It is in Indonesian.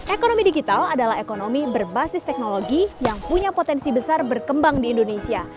ekonomi digital adalah ekonomi berbasis teknologi yang punya potensi besar berkembang di indonesia